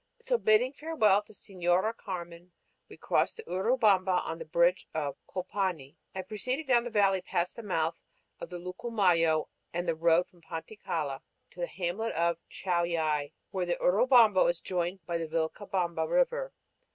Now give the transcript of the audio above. So, bidding farewell to Señora Carmen, we crossed the Urubamba on the bridge of Colpani and proceeded down the valley past the mouth of the Lucumayo and the road from Panticalla, to the hamlet of Chauillay, where the Urubamba is joined by the Vilcabamba River.